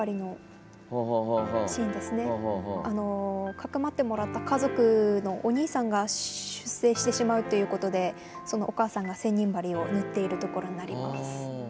かくまってもらった家族のお兄さんが出征してしまうということでそのお母さんが千人針を縫っているところになります。